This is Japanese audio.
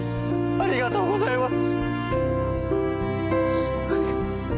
ありがとうございます。